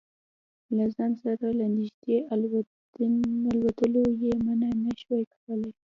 له ځان سره له نږدې الوتلو یې منع نه شو کولای.